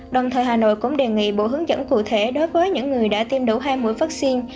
đồng thời hà nội cũng đề nghị bộ hướng dẫn cụ thể đối với những người đã tiêm đủ hai mũi vaccine